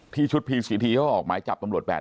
พี่ชุดพีศิษฐีเขาออกมาจับตำรวจแบบ